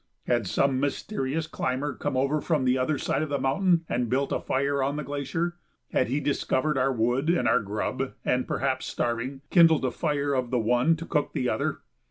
Had some mysterious climber come over from the other side of the mountain and built a fire on the glacier? Had he discovered our wood and our grub and, perhaps starving, kindled a fire of the one to cook the other?